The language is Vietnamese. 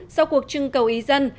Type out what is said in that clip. sau cuộc trưng cầu ý dân